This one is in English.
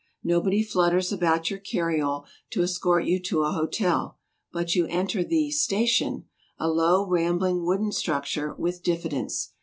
Nobody flutters about your carriole to escort you to a hotel, but you enter the " station," a low, rambling wooden structure, with diffidence.